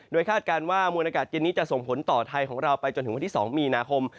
คาดการณ์ว่ามวลอากาศเย็นนี้จะส่งผลต่อไทยของเราไปจนถึงวันที่๒มีนาคม